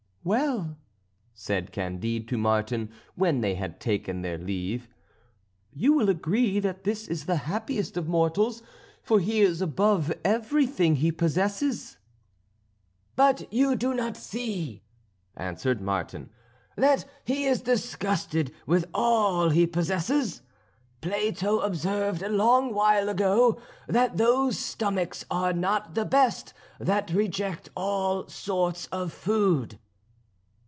"Well," said Candide to Martin when they had taken their leave, "you will agree that this is the happiest of mortals, for he is above everything he possesses." "But do you not see," answered Martin, "that he is disgusted with all he possesses? Plato observed a long while ago that those stomachs are not the best that reject all sorts of food."